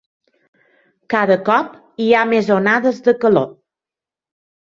Cada cop hi ha més onades de calor.